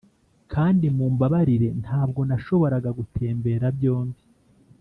kandi mumbabarire ntabwo nashoboraga gutembera byombi